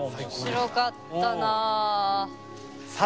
面白かったな。